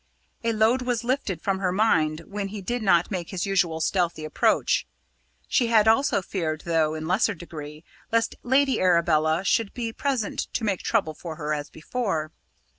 A load was lifted from her mind when he did not make his usual stealthy approach. She had also feared, though in lesser degree, lest Lady Arabella should be present to make trouble for her as before.